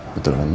betul kan ma